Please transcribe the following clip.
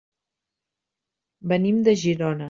Venim de Girona.